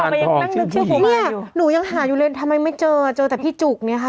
นี่หนูยังหาอยู่เลยทำไมมันไม่เจอเจอแต่พี่จุกเนี่ยค่ะ